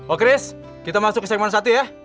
oh chris kita masuk ke segmen satu ya